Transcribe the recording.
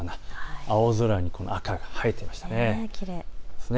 青空に赤が映えていますね。